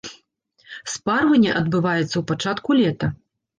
Спарванне адбываецца ў пачатку лета.